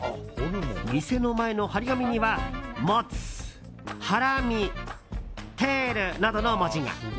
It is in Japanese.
店前の貼り紙には、モツ、ハラミテールなどの文字。